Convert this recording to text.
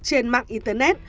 trên mạng internet